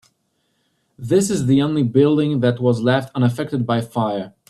This is the only building that was left unaffected by fire.